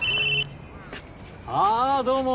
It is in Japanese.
ああどうも。